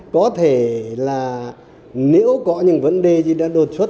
có thể là nếu có những vấn đề gì đã đột xuất